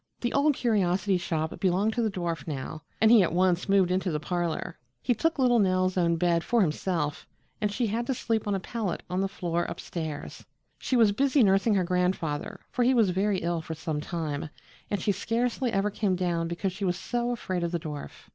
The Old Curiosity Shop belonged to the dwarf now and he at once moved into the parlor. He took little Nell's own bed for himself and she had to sleep on a pallet on the floor up stairs. She was busy nursing her grandfather, for he was very ill for some time, and she scarcely ever came down because she was so afraid of the dwarf.